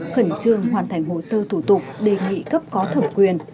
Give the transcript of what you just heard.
khẩn trương hoàn thành hồ sơ thủ tục đề nghị cấp có thẩm quyền